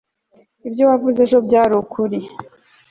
ibyo wavuze ejo byari ukuri